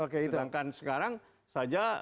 sedangkan sekarang saja